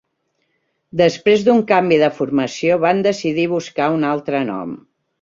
Després d'un canvi de formació, van decidir buscar un altre nom.